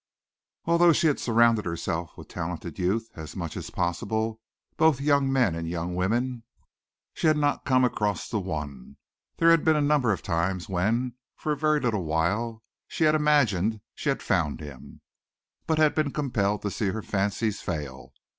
Although she had surrounded herself with talented youth as much as possible both young men and young women she had not come across the one. There had been a number of times when, for a very little while, she had imagined she had found him, but had been compelled to see her fancies fail.